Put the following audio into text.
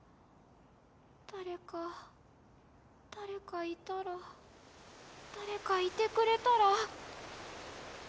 誰か誰かいたら誰かいてくれたら。